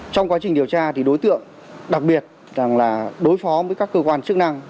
trong quá trình điều tra thì đối tượng đặc biệt rằng là đối phó với các cơ quan chức năng